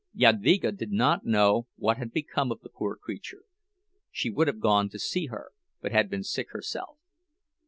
Jadvyga did not know what had become of the poor creature; she would have gone to see her, but had been sick herself.